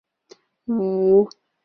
只要牵着对方的手